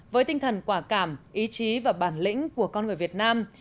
với tinh thần quả cảm ý chí và bản lĩnh của con người việt nam